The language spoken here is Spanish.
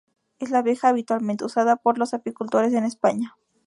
Es la abeja habitualmente usada por los apicultores en España.